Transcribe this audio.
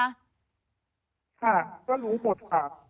ค่ะก็รู้หมดค่ะ